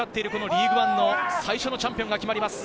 リーグワンの最初のチャンピオンが決まります。